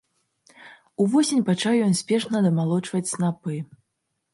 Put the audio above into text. Увосень пачаў ён спешна дамалочваць снапы.